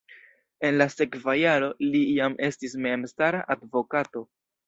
En la sekva jaro li jam estis memstara advokato.